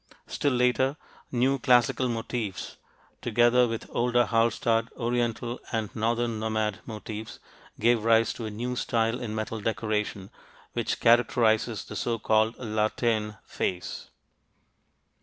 Still later new classical motifs, together with older Hallstatt, oriental, and northern nomad motifs, gave rise to a new style in metal decoration which characterizes the so called La Tène phase.